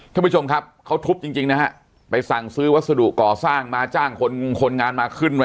ท่านผู้ชมครับเขาทุบจริงจริงนะฮะไปสั่งซื้อวัสดุก่อสร้างมาจ้างคนงงคนงานมาขึ้นมา